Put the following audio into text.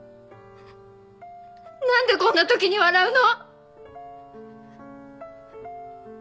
何でこんなときに笑うの！？